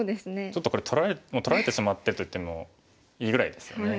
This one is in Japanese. ちょっとこれ取られてしまってるといってもいいぐらいですよね。